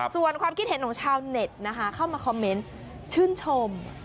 ส่วนความคิดเห็นของชาวเน็ตนะคะเข้ามาคอมเมนต์ชื่นชม